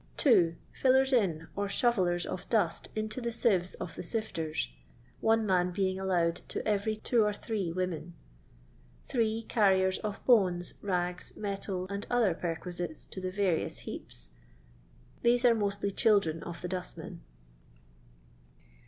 2. FUleri int or shovellers of dust into the sieves of the sifters (one man being allowed to every two or three women). 8. Carriers of of bones, rags, metal, and other perquisites to the various heaps; these are mostly children of the dustmen.